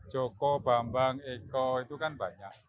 joko bambang eko itu kan banyak